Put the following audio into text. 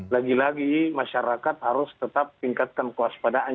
lagi lagi masyarakat harus tetap tingkatkan kuas padaan